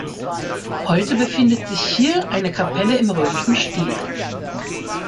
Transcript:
Heute befindet sich hier eine Kapelle im römischen Stil.